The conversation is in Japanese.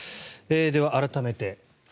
では、改めて。